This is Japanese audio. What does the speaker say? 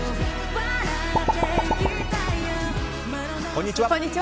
こんにちは。